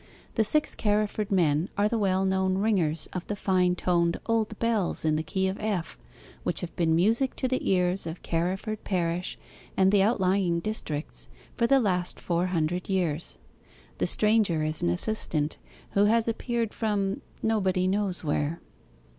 The six Carriford men are the well known ringers of the fine toned old bells in the key of F, which have been music to the ears of Carriford parish and the outlying districts for the last four hundred years. The stranger is an assistant, who has appeared from nobody knows where.